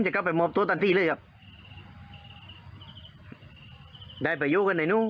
จะเข้าไปมอบตัวทันทีเลยครับได้ไปอยู่กันในนู้น